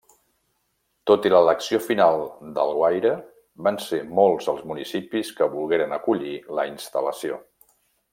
Tot i l'elecció final d'Alguaire, van ser molts els municipis que volgueren acollir la instal·lació.